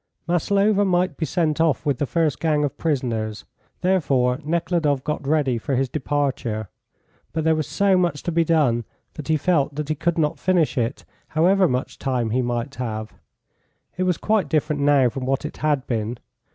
Maslova might be sent off with the first gang of prisoners, therefore Nekhludoff got ready for his departure. But there was so much to be done that he felt that he could not finish it, however much time he might have. It was quite different now from what it had been.